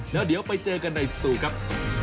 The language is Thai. แล้วเดี๋ยวไปเจอกันในสตูครับ